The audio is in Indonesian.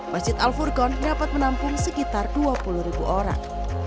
masjid al furqon dapat menampung sekitar dua puluh ribu orang